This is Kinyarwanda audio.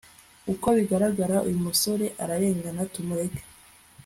uko bigaragara uyu musore ararengana tumureke